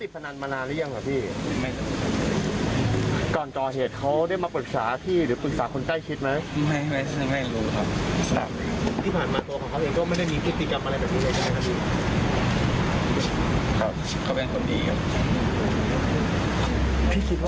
ผมไม่สาวผมไม่สาว